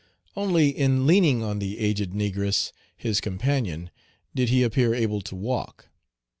Only in leaning on the aged negress, his companion, did he appear able to walk.